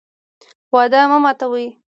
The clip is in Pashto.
وعده مه ماتوئ